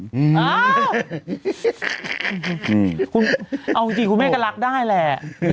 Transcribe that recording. เอาจริงคุณแม่ก็รักได้แหละ